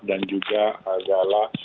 dan juga agak agak